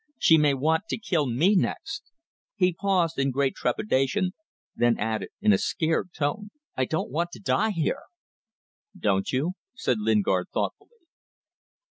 She may want to kill me next!" He paused in great trepidation, then added in a scared tone "I don't want to die here." "Don't you?" said Lingard, thoughtfully.